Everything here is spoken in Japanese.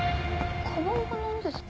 かばんが何ですか？